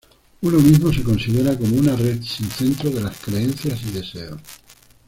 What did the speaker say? Uno mismo se considera como una ""red sin centro de las creencias y deseos"".